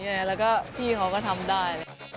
แล้วก็พี่เขาก็ทำได้